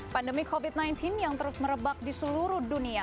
pandemi covid sembilan belas yang terus merebak di seluruh dunia